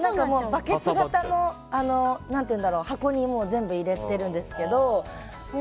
バケツ型の箱にもう全部入れてるんですけど。